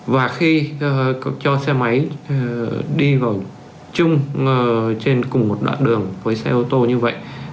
và khi cho xe máy đi vào chung trên cùng một đoạn đường với xe ô tô như vậy